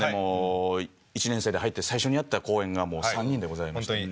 もう１年生で入って最初にやった公演が３人でございました。